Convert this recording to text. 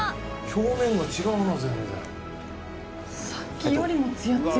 表面が違うな、全然。